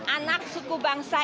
anak suku bangsa